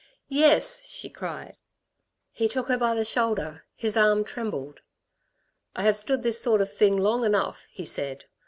"Yes," she cried. He took her by the shoulder. His arm trembled. "I have stood this sort of thing long enough," he said.